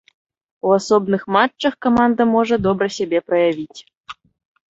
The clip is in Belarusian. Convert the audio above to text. У асобных матчах каманда можа добра сябе праявіць.